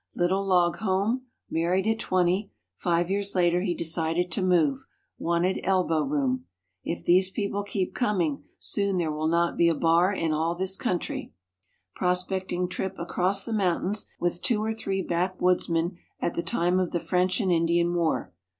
Little log home. Married at 20; five years later he decided to move, wanted "elbow room." "If these people keep coming, soon there will not be a bar in all this country." Prospecting trip across the mountains, with two or three backwoodsmen at the time of the French and Indian War.